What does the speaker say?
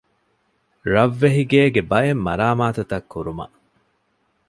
ރަށްވެހިގޭގެ ބައެއް މަރާމާތުތައް ކުރުމަށް